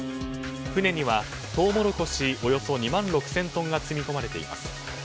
船にはトウモロコシおよそ２万６０００トンが積み込まれています。